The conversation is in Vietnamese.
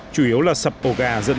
chủ yếu là sập ổ gà dẫn đến lúc